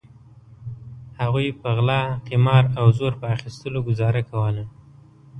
هغوی په غلا قمار او زور په اخیستلو ګوزاره کوله.